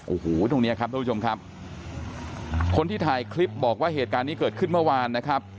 โอ้โหตรงเนี้ยครับทุกผู้ชมครับคนที่ถ่ายคลิปบอกว่าเหตุการณ์นี้เกิดขึ้นเมื่อวานนะครับ